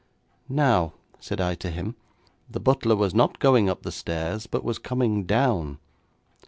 'Now,' said I to him, 'the butler was not going up the stairs, but was coming down.